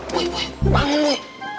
buye bangun lu